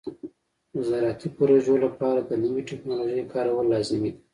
د زراعتي پروژو لپاره د نوې ټکنالوژۍ کارول لازمي دي.